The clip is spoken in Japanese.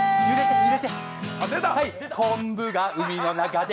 昆布が海の中で